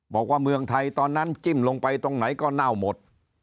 เมืองไทยตอนนั้นจิ้มลงไปตรงไหนก็เน่าหมด